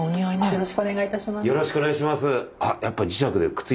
よろしくお願いします。